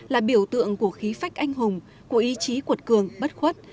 là biểu tượng của khí phách anh hùng của ý chí cuột cường bất khuất